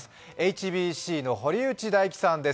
ＨＢＣの堀内大輝さんです。